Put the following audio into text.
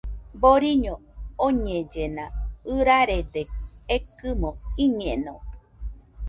Boriño oñellena, ɨrarede ekɨmo iñeno